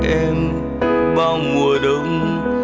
em bao mùa đông